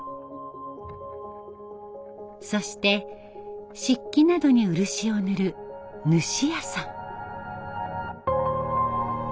そして漆器などに漆を塗る塗師屋さん。